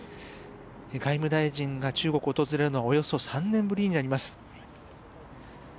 外務大臣が中国を訪れるのはおよそ３年ぶりになります。